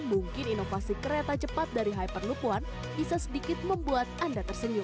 mungkin inovasi kereta cepat dari hyperlook one bisa sedikit membuat anda tersenyum